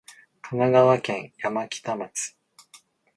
神奈川県山北町